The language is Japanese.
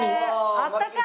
あったかい。